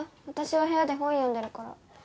私は部屋で本読んでるから。